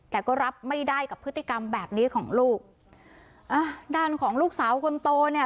แต่ก็รับไม่ได้กับพฤติกรรมแบบนี้ของลูกอ่าด้านของลูกสาวคนโตเนี่ย